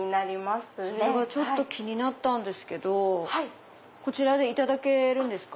それが気になったんですけどこちらでいただけるんですか？